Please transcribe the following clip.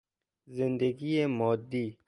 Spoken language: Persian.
زندگی مادی